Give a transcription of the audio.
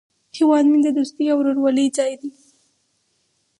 هیواد مې د دوستۍ او ورورولۍ ځای دی